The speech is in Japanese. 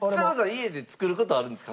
家で作る事はあるんですか？